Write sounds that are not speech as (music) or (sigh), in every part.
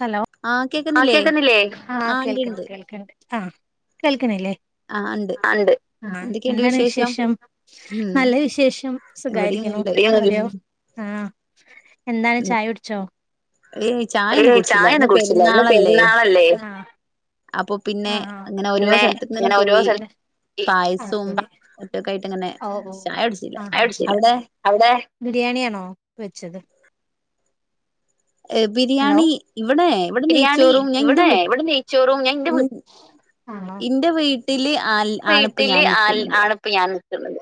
Hello ആഹ് കേക്കുന്നില്ലേ ആ ആഹ് ഇണ്ട് ഇണ്ട് കേൾക്ണ് കേൾക്ണ്ട് ആഹ് കേൾക്കണില്ലേ ആഹ് ഇണ്ട് ണ്ട് ആഹ് എന്താണ് വിശേഷം ഉം നല്ല വിശേഷം ഇവിടെയും സുഖായിരിക്കണു നല്ലേ ഉം ആഹ് എന്താണ് ഇന്ന് ചായ കുടിച്ചോ ഏയ് ചായൊന്നും ഏയ് കുടിച്ചില്ല ചായ ഇന്ന് ഒന്നും കുടിച്ചില്ല ഇന്ന് പെരുന്നാളല്ലേ പെരുന്നാളല്ലേ അപ്പൊ പിന്നെ ങ്ങനെ ഓരോ പിന്നെ സ്ഥലത്തക്ക് ങ്ങനെ അങ്ങനെ ഓരോ പോയി സ്ഥലത്ത് ആഹ് പായസും ശരി ഒറ്റൊക്കെ ആയിട്ട് ഇങ്ങനെ ഓഹ് ഓഹ് ചായ കുടിച്ചില്ല ആഹ് ആഹ് അവിടെ അവിടെ ബിരിയാണിയാണോ വെച്ചത് ഹലോ ബിരിയാണി ഇവിടെ ഇവിടെ നെയ്ച്ചോറും ഞാൻ എന്റെ വീട്ട ആണോ എന്റെ വീട്ടില് ആണ് ഇപ്പൊ ഞാൻ നിക്കുന്നത് ഇപ്പൊ ഞാൻ നിൽക്കുന്നത്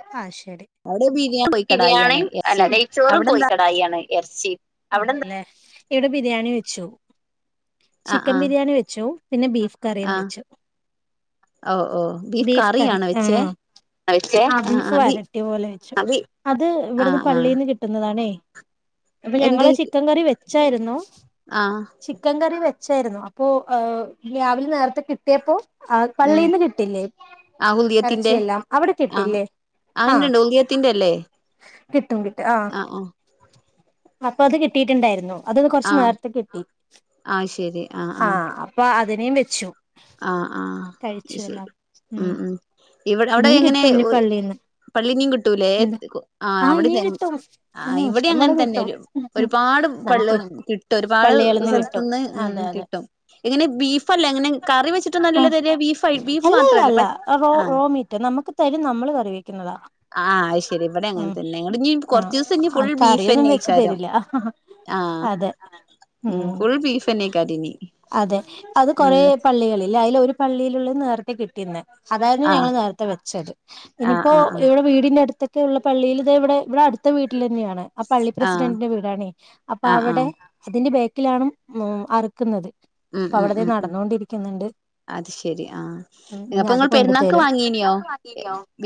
അവിടെ ബിരിയാണി ബിരിയാണി കോഴിക്കടായിയാണ് അല്ല ഇറച്ചി നെയ്ച്ചോറും കോഴി അവിടെന്താ കടായിയാണ് ഇറച്ചി അവിടെന്താ ഇവിടെ ബിരിയാണി വെച്ച് ആഹ് ചിക്കൻ ആഹ് ബിരിയാണി വെച്ചു പിന്നെ ബീഫ് കറിയും വെച്ചു ഓഹ ഓഹ ബീഫ് കറി ഉം ആഹ ആഹ് ബീഫ് ആഹ് ബി വരറ്റി പഴയപൊലെ വെച്ചു അതെ അത് ഇവിടുന്ന് ആഹ് ആഹ് പള്ളിൽന്ന് കിട്ടുന്നതാണേ അപ്പൊ എന്ത് ഞങ്ങള് ചിക്കൻ കറി വെച്ചായിരുന്നു ആഹ് ചിക്കൻ കറി വെച്ചായിരുന്നു അപ്പോ രാവിലെ നേരത്തെ കിട്ടിയപ്പോ ആഹ ഉം പള്ളിയിന്ന് കിട്ടില്ലേ ആഹ് ഹുദിയത്തിന്റെ ഇറച്ചിയെല്ലാം അവിടെ ആഹ് കിട്ടില്ലേ ആഹ അത്ണ്ട്ണ്ട് ഉദിയത്തിന്റെ അല്ലേ കിട്ടും കിട്ടും ആഹ ആഹ് ആഹ് അപ്പൊ അത് കിട്ടിട്ടുണ്ടായിരുന്നു അത് കുറച്ചു ആഹ് നേരത്തെ കിട്ടി ആഹ് ശരി ആഹ് ആഹ അപ്പാ അതിനയും വെച്ചു ആഹ ആഹ അത് കഴിച്ചു ശരി എല്ലാം ഉം ഇവിടെ ഇനിയും അവിടെങ്ങനേ കിട്ടും ഇനി പള്ളീന്ന് പള്ളിനും കിട്ടൂലേ എന്താ ആഹ് ആഹ ഇനിയും (unintelligible) കിട്ടും ഉം ഇവിടയും ഇഷ്ടംപോലെ അങ്ങനെ തന്നെ കിട്ടും ഒരുപാട് നമുക്ക് പള്ളീന്നു കിട്ടും ഒരുപാട് പള്ളികളിന്ന് കിട്ടും സ്ഥലത്തുന്നും അതെ അതെ കിട്ടും എങ്ങെനെ ബീഫല്ലേ അങ്ങനെ കറി വെച്ചിട്ടല്ലല്ലോ തര ബീഫ് ആയി ബീഫ് മാത്രല്ലേ അല്ലല്ലല്ല പ റോ ആഹ് റോമീറ്റ് നമുക്ക് തരും നമ്മൾ കറിവിക്കുന്നതാ ആഹ അത് ശരി ഇവിടെയും അങ്ങനെ തന്നെ ഇനി കുറച്ചു ദിവസം ആഹ് ഫുള്ള് ബീഫ് കറിയൊന്നും വെച്ച് തന്നെയാകാരം തരില്ല ആഹ് അതെ ഉം ഫുൾ ബീഫ്ന്നെക്കാരം ഇനി അതെ അത് കൊറെ ഉം പള്ളികളില്ലേ അതിൽ ഒരു പള്ളിയിലുള്ള നേരത്തെ കിട്ടിയുന്ന ആഹ് അതായിരുന്നുഞങ്ങൾ നേരത്തെ വെച്ചത് ആഹ് ഇനിപ്പോ ആഹ് ആഹ് ഇവിടെ വീടിന്റെ അടുത്ത് ഒക്കെ പള്ളിഇവിടെ ഇവിടെ അടുത്ത വീട്ടിൽ തന്നെയാണ് ആഹ പള്ളി ആഹ് പ്രസിഡന്റിന്റെ വീടാണേ അപ്പൊ ആഹ് അവിടെ ആഹ് അതിന്റെ ബേക്കിലാണ് അറുക്കുന്നത് ഉം അപ്പൊ ഉം അവിടത് ഉം നടന്നോണ്ടിരിക്കുന്നുണ്ട് അത് ശരി ആഹ അത് കൊണ്ടു തരും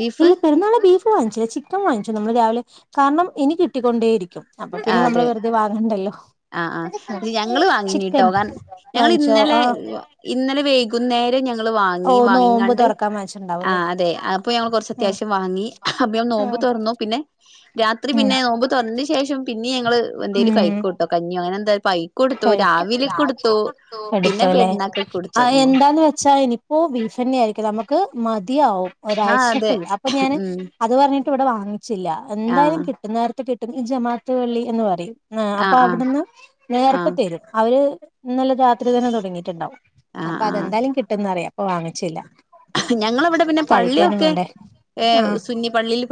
ബീഫ് ഇല്ല പെരുന്നാൾ ബീഫ വാങ്ങിച്ചില്ല ചിക്കൻ വാങ്ങിച്ചു നമ്മള് രാവിലെ കാരണം ഇനി കിട്ടിക്കൊണ്ടേയിരിക്കും അപ്പൊ പിന്നെ നമ്മള് വെറുതെ വാങ്ങണ്ടല്ലോ അഹ ഞങ്ങള് വാങ്ങീന്ന്ട്ടൊ ചിക്കൻ കാരണം ഞങ്ങള് വാങ്ങിച്ചോ ആ ഇന്നലെ ഇന്നലെ വൈകുന്നേരം ഞങ്ങ ഓ വാങ്ങി നോമ്പ് വാങ്ങീങ്ങാട് തുറക്കാൻ അഹ വാങ്ങിച്ചിട്ടുണ്ടാവുംല്ലേ അതെ അപ്പ ഞങ്ങള് കുറച്ച് ഉം അത്യാവശ്യം വാങ്ങി അദ്യം നോമ്പ് ഉം തുറന്നു പിന്നെ രാത്രി പിന്നെ നോമ്പ് തുറന്നതിന് ശേഷം പിന്നീ ഞങ്ങള് എന്തേലും കഴിക്കൊള്ളൂ ആട്ടോ കഞ്ഞി അങ്ങനെ എന്തോ (unintelligible) (unintelligible) പിന്നെ കൊടുത്തുലെ പെരുന്നാക്കൊക്കെ കൊടുത്തു ആഹ ഉം എന്താന്ന് വെച്ച എനിക് ഓഹ ബീഫന്നെ ആയിരിക്കും നമുക്ക് മതിയാവും ആഹ് അതെ ഒരാഴ്ചക്കുള്ള അപ്പൊ ഞാന് ഉം അത് പറഞ്ഞിട്ട് ഇവിടെ വാങ്ങിച്ചില്ല എന്തായാലും ആഹ് കിട്ടുന്ന നേരത്തെ കിട്ടും ഈ ജമാത്ത് പള്ളി എന്ന് പറയും ആഹ അപ്പൊ ആഹ് ആഹ് അവിടുന്ന് നേരത്തെ ആഹ് തരും അവര് ഇന്നലെ രാത്രി തന്നെ തുടങ്ങിട്ടുണ്ടാവും ആഹ് അപ്പൊ ആഹ് അതെന്തായാലും കിട്ടുന്നറിയാം അപ്പൊ വാങ്ങിച്ചില്ല ഞങ്ങളവിടെ പിന്നെ കഴിക്കാനും പള്ളിയൊക്കെ വേണ്ടേ ഏഹ് ആഹ് സുന്നിപ്പള്ളിയിൽ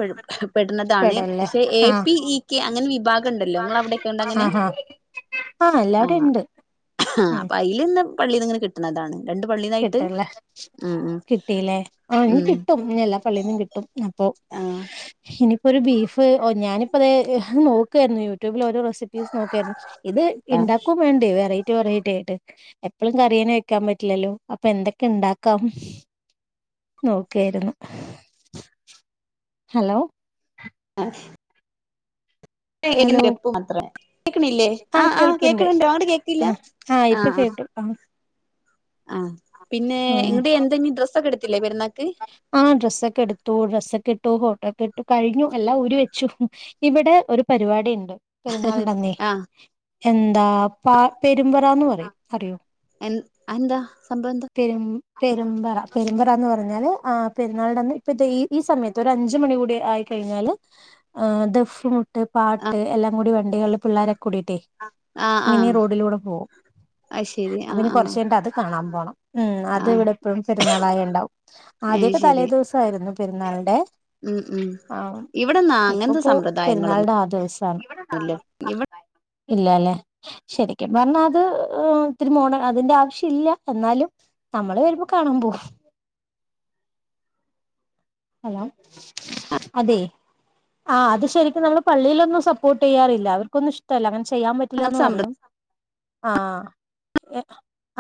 പെടുന്നതാണ് പെടല്ലേ പക്ഷെ എ ആഹ് പി ഇ കെ അങ്ങനെ വിഭാഗം ഉണ്ടല്ലോ നിങ്ങൾ അവിടെ ആഹ അഹ ആഹ അപ്പൊ അയിന്നു ഇന്ന് പള്ളിന്ന് ഇങ്ങനെ കിട്ടുന്നതാണ് രണ്ട് പള്ളീന്നായിട്ട് ഉം ഉം. കിട്ടീല്ലേ? ആഹ് ഇനി ഉം കിട്ടും ഇനി എല്ലാ പള്ളിന്നും കിട്ടും അപ്പൊ ആഹ് ഇനിയിപ്പോ ഒരു ബീഫ് ഓ ഞാനിപ്പോ അത് നോക്കുവായിരുന്നു യൂട്യൂബില് ഓരോ റെസിപ്പീസ് നോക്കായിരുന്നു. ഇത് ഇണ്ടാക്കും വേണ്ടേ വെറൈറ്റി വെറൈറ്റി ആയിട്ട് എപ്പഴും കറിയന്നേ വെക്കാൻ പറ്റില്ലല്ലോ. അപ്പൊ എന്തൊക്കെ ണ്ടാക്കാം നോക്കായിരുന്നു. ഹലോ. അ ഹലോ മാത്രേ കേക്കണില്ലേ ആഹ് കേൾക്ക്ണ്ട് കേക്കണുണ്ടോ അങ്ങട് കേക്കില്ല ആഹ് ആഹ് ഇപ്പൊ കേട്ടു ആഹ്. (inaudible) ആഹ് പിന്നെ (unintelligible) എന്തെങ്കി ഡ്രസ്സൊക്കെ എടുത്തില്ലേ പെരുന്നാക്ക്? ആഹ് ഡ്രസ്സൊക്കെ എടുത്തു ഡ്രസ്സൊക്കെ ഇട്ടു ഫോട്ടോക്കെ ഇട്ടു കഴിഞ്ഞു എല്ലാം ഊരി വെച്ചു ഇവിടെ ഒരു പരിപാടിണ്ട് പെരുന്നാൾന്റെന്നേ. ആഹ് എന്താ പാ പെരുമ്പറാന്ന് പറയും അറിയോ? എൻ അയ്എന്താ സംഭവം എന്താ? പെരും പെരുമ്പറ പെരുമ്പറ എന്ന് പറഞ്ഞാല് ആഹ് പെരുന്നാളന്ന് ഇപ്പത്തെ ഈ ഈ സമയത്ത് ഒരു അഞ്ച് മണി കൂടി ആയി കഴിഞ്ഞാല് ആഹ് ദഫ്മു ട്ട് പാട്ട് എല്ലാം കൂടി വണ്ടികൾള് പിള്ളോരൊക്കെ കൂടിട്ടേ ആഹ് ഇങ്ങനെ ആഹ് റോഡിലൂടെ പോവും. അത് ശരി അപ്പൊ ആഹ് ഇനി ആഹ് കൊർച്ചയ്ഞ്ട്ട് അത് കാണാം പോണം. ഉം അത് ആഹ് ഇവിടെ എപ്പോഴും പെരുന്നാളായണ്ടാവും അയ് ആദ്യൊക്കെ തലേ ശരി ദിവസായിരുന്നു പെരുന്നാളിന്റെ. ഉം ഉം ആഹ് ഇവിടെന്നാ അങ്ങനത്തെ ഇപ്പപ്പോ സമ്പ്രദായങ്ങളൊന്നും പെരുന്നാൾൻ്റെ ആഹ് ദിവസാണ്. ഇവിടെ ഇല്ലാലേ. ശരിക്കും പർഞ്ഞ അത് ത്തിരി മോണ അതിന്റെ ആവശ്യ ഇല്ല എന്നാലും ന്നമ്മള് വരുമ്പോ കാണാം പോവും. ഹലോ അതെയ് ആഹ് അത് ശരിക്കും നമ്മള് പള്ളീലൊന്നും സപ്പോർട്ട്യ്യാറില്ലാ അവർക്കൊന്നും ഇഷ്ടല്ല അങ്ങനെ ചെയ്യാൻ പ അങ്ങനത്തെ റ്റില്ലാന്ന് സമ്പ്രദായ പറയും. ആഹ് എ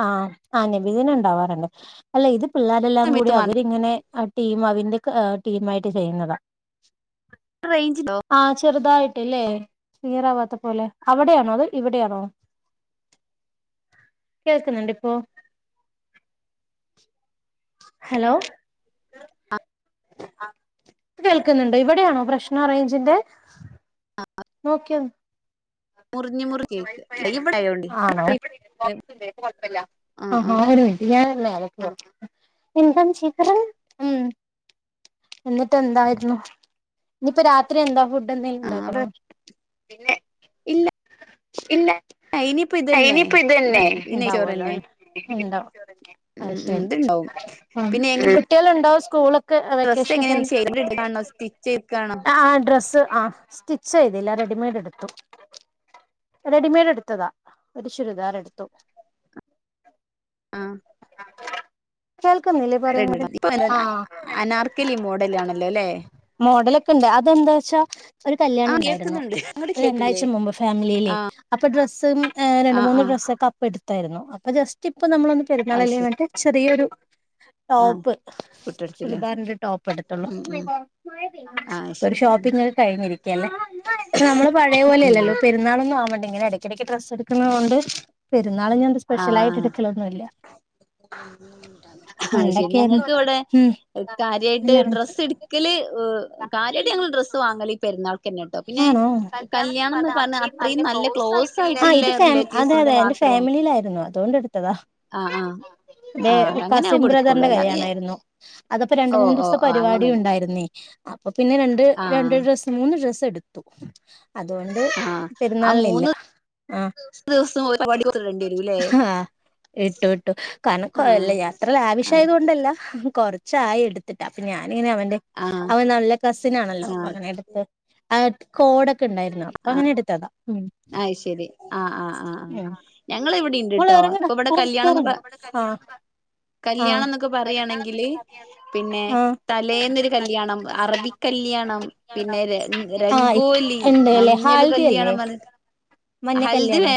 ആഹ് ആഹ് നബിദിന ണ്ടാവാറ്ണ്ട്. അല്ല ഇത് പിള്ളേരെല്ലാം കൂടി സമയത്ത് മാത്രം അവരിങ്ങനെ ആ ടീം അതിന്റെ കാ ടീമായിട്ട് ചെയ്യുന്നതാ. റേഞ്ച്ണ്ടോ? ആഹ് ചെറുതായിട്ട്ല്ലേ ക്ലിയറാവാത്ത പോലെ അവടെയാണോ അതോ ഇവിടെയാണോ? കേൾക്കുന്നുണ്ട് ഇപ്പോ. ഹലോ. കേൾക്ക്ന്ന്ണ്ട് ഇവിടെയാണോ പ്രശ്ന റേഞ്ചിന്റെ? (unintelligible) നോക്കിയോന്ന് മുറിഞ്ഞ് മുറിഞ്ഞ് കേക്ക് ഇവിടായോണ്ടേ ആണോ? (unintelligible) (unintelligible) പ്പല്ല്യാ. ആഹ് ആഹ് (unintelligible) എന്താണ് (unintelligible) ഉം. എന്നിട്ട് എന്തായിരുന്നു ഇനിപ്പോ രാത്രി എന്താ ഫുഡ് എന്തെങ്കിലും ആഹ് അവിടെ ണ്ടാക്കണോ? ഇല്ല ഇല്ല ഇനിയിപ്പോ ഇതന്നെ അയ്നിപ്പൊ ഇത് ന്നെ ഇതന്നെ ഈ ഇണ്ടാവുല്ലോ നെയ്ച്ചോറന്നെ ഉം ണ്ടാവും. അയ് ഉം ഉം ശേരി ഇത്ണ്ടാവും ഉം പിന്നെ എങ്ങനെ കുട്ട്യാള്ണ്ടോ സ്കൂള് ക്ക് ഡ്രസ്സ് വെക്കേഷനൊക്കെ എങ്ങനെ ഇങ്ങനെ ചെയ്തെടുക്കാണോ സ്റ്റിച്ച് ചെയ്ക്കാണോ ആഹ് ഡ്രസ്സ് ആഹ്. സ്റ്റിച്ച്യ്തില്ലാ റെഡിമെയ്ഡ് എടുത്തു. റെഡിമെയഡ് എടുത്തതാ ഒരു ചുരിദാറ് എടുത്തു. ആഹ് കേൾക്കുന്നില്ലേ പറയുന്നത്? റെഡിമേഡ് ഇപ്പൊ ആഹ് അനാർക്കലി മോഡലാണല്ലോ അല്ലെ മോഡലൊക്കെണ്ട് അതെന്താച്ചാ ഒരു കല്യാണൊ ആഹ് ണ്ടായിരുന്നു കേൾക്കുന്നുണ്ട് അങ്ങോട്ട് ഒരു കേൾക്കണില്ലേ രണ്ടാഴ്ച മുമ്പ് ഫാമിലീലെ അപ്പൊ ഡ്രസ്സ്‌ ഉം ഏ രണ്ട് ആഹ് മൂന്ന് ആഹ് ഡ്രസ്സൊക്കപ്പെ ടുത്തായിരുന്നു. അപ്പൊ ജസ്റ്റിപ്പ നമ്മളൊന്ന് അയ് ശരി പെരുന്നാളല്ലെങ്ങട്ട് ചെറിയൊരു ആഹ് ടോപ്പ് കുട്ടെടുത്തില്ലേ ചുരിദാറിന്റൊരു ടോപ്പെടുത്തുള്ളു ഉം ഉം ആഹ് പ്പൊരു ശരി ഷോപ്പിങ്ങ് കഴിഞ്ഞിരിക്കല്ലേ പ്പ നമ്മള് പഴേ പോലെയല്ലല്ലോ ഉം പെരുന്നാളൊന്നു ആവണ്ടിങ്ങന എടക്കിടക്ക് ഡ്രസെടുക്കുന്ന കൊണ്ട് പെരുന്നാൾ ഞ്ഞന്ത് സ് ആഹ് പെഷ്യലായിട്ടെടുക്കലൊന്നുല്ല (inaudible) ആഹ് ശരി പണ്ടൊക്കെയായിരുന്നു ഞങ്ങക്ക് വിടെ ഉം കാര്യായിട്ട് എല്ലാരും ഡ്രസ്സ്ട് ക്കല് എ കാര്യായിട്ട് ഞങ്ങള് ഡ്രസ്സ് വാങ്ങലീ പെരുന്നാൾ ക്കെന്നാട്ടോ പിന്നെ ആണോ കല്യാണം ന്ന് പറഞ്ഞ അത്രയും നല്ല ക്ലോസാ ആ യിട്ടുള്ള ഇത് ഫാമി അതെ റിലേറ്റീവ്സിന്റെ അതെ മാ എന്റെ ഫാമിലിയിലായിരുന്നു അതുകൊണ്ടെടുത്തതാ ആഹ് ആഹ് ആഹ് ഏഹ് അങ്ങനെ കസിൻ ആകുമ്പോ എടുക്കുള്ളൂ ബ്രദറിന്റെ അല്ലാതെ കല്യണായിരുന്നു അതപ്പോ രണ്ട് ഓ മൂന്നു ഓ ദിവസത്തെ ഓ പരിപാട്യു അങ്ങനെയുള്ള ണ്ടായിരുന്നേ അപ്പൊ പിന്നെ രണ്ട് രണ്ട് ആഹ് ഡ്രസ്സ് മൂന്ന് ഡ്രസ്സെടുത്തു. അതുകൊണ്ട് ആഹ് ആ പെരുന്നാൾനില്ല. മൂന്ന് ആഹ് ദിവസം ഒരു പരിപാടിക്ക് ഇടേണ്ടി വരൂല്ലേ (inaudible) ഇട്ടു ഇട്ടു ആഹ് കനക്കവല്ല യാത്രയില് ആഹ് ആവശ്യമായതു കൊണ്ടല്ല കൊർച്ചായി എടുത്തിട്ട് അപ്പൊ ഞാനിങ്ങനെ അവന്റെ ആഹ് അവൻ നല്ല കസിനാണല്ലോ അപ്പൊ ആഹ് അങ്ങനെടുത്ത് അഅ് കോടൊക്കെ ണ്ടായിരുന്നു അപ്പങ്ങനെ ടുത്തതാ ഉം അയ്ശെരി ആഹ് ആഹ് ആഹ് ഉം മോളെ ഞങ്ങളിവിടിണ്ട്ട്ടോ എറങ്ങടാ പ്പൊ ബട എറങ്ങ് കല്യാണംന്ന് കേറണ്ട പ ആഹ് ആഹ് കല്യാണംന്നൊക്കെ പറയാണെങ്കില് പിന്നെ ആഹ് തലേന്നൊരു കല്യാണം അറബി കല്ല്യാണം പിന്നെ ര ആഹ് രംഗോലി ഇണ്ട് അല്ലേ മഞ്ഞള് ഹാൽദി അല്ലേ കല്യാണം പർഞ് മഞ്ഞ കല്യാണം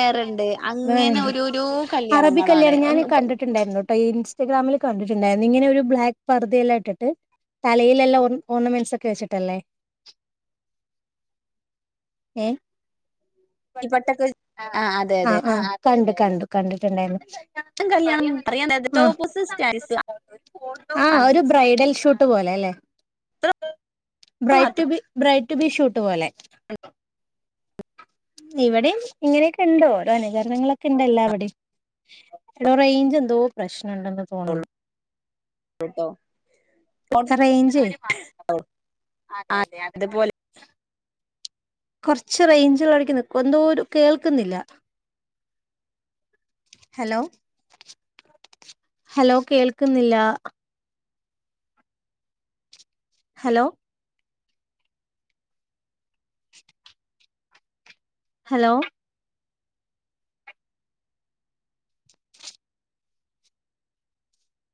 അങ്ങനെ (unintelligible) ഓരോരോ അറബി കല്യാണങ്ങളാണ് കല്യാണം ഞാന് ഒന്ന് കണ്ടിട്ടുണ്ടായിരുന്നു. അഇൻസ്റ്റാഗ്രാമിൽ കണ്ടിട്ടുണ്ടായിരുന്നു ഇങ്ങനെ ഒരു ബ്ലാക്ക് പർദയെല്ലാം ഇട്ടിട്ട് തലയിലെല്ലാം ഓർ ഓർണമെന്റ്സ് ഒക്കെ വെച്ചിട്ടല്ലേ ഏഹ് പെട്ടൊക്കെ (inaudible) ആഹ് ആ അതെ അതെ ആഹ് ആഹ് കണ്ടു കണ്ടു കണ്ടിട്ടുണ്ടായിരുന്നു (unintelligible) കല്യാണം (unintelligible) ആഹ് അത് ഒരു ബ്രൈഡൽ ഷൂട്ട് പോലെ അല്ലെ ബ്രൈറ്റു മാത്രം ബി ബ്രൈറ്റു ബി ഷൂട്ട് പോലെ ഇവിടെം ഇങ്ങനെയൊക്കെ ണ്ടോ ഓരോ അനുകരണങ്ങളൊക്കെണ്ട് എല്ലാവിടെം എടോ റെയ്ഞ്ച് ന്തോ പ്രശ്നണ്ടന്ന് തോന്നു ച്ച റെയിഞ്ചെ (inaudible) അതെ അതെ അതുപോലെ കൊർച്ച് റെയിഞ്ചിള്ളടക്ക് ന്ക്കോ ന്തോരു കേൾക്ക്ന്നില്ല ഹലോ ഹലോ കേൾക്ക്ന്നില്ല ഹലോ ഹലോ